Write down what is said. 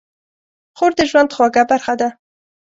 خور د ژوند خوږه برخه ده.